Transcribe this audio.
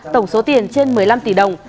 tổng số tiền trên một mươi năm tỷ đồng